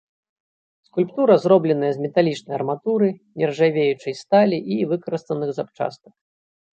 Скульптура зробленая з металічнай арматуры, нержавеючай сталі і выкарыстаных запчастак.